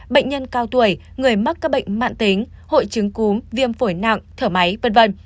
bệnh nhân cao tuổi người mắc các bệnh mạng tính hội chứng cúm viêm phổi nặng thở máy v v